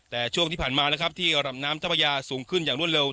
แต่ช่วงที่ผ่านมานะครับที่ลำน้ำเจ้าพระยาสูงขึ้นอย่างรวดเร็ว